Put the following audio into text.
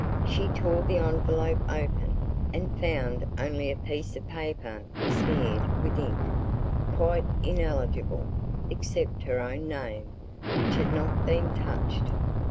She tore the envelope open, and found only a piece of paper besmeared with ink, quite illegible, except her own name, which had not been touched.